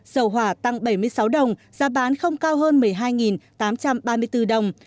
dầu hỏa tăng bảy mươi sáu đồng giá bán không cao hơn một mươi hai tám trăm ba mươi bốn đồng